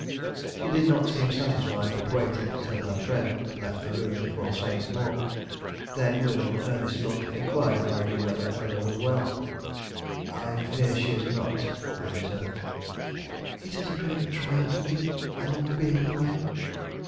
She did not seem satisfied, but waited till her friend left the room before saying more. Then, with an earnest look, inquired if I knew whether Eleanore was well. "I fear she is not," I returned. "It is a great trial to me, Eleanore being away.